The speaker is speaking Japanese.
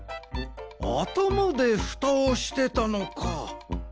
あたまでふたをしてたのか。